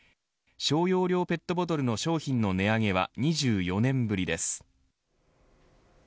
小容量ペットボトルの商品の値上げは２４年ぶりです。